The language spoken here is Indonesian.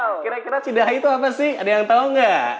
oh kira kira cidaha itu apa sih ada yang tau gak